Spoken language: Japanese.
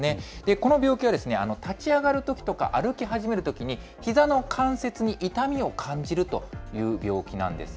この病気は、立ち上がるときとか、歩き始めるときに、ひざに関節に痛みを感じるという病気なんです。